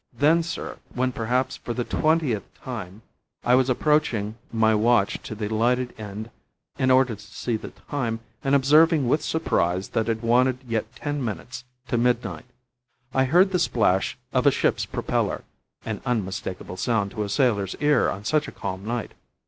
Then, sir, when perhaps for the twentieth time I was approaching my watch to the lighted end in order to see the time, and observing with surprise that it wanted yet ten minutes to midnight, I heard the splash of a ship's propeller an unmistakable sound to a sailor's ear on such a calm night.